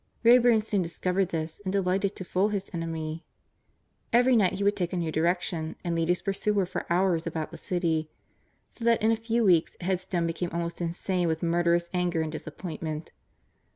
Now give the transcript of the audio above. Wrayburn soon discovered this and delighted to fool his enemy. Every night he would take a new direction and lead his pursuer for hours about the city. So that in a few weeks Headstone became almost insane with murderous anger and disappointment.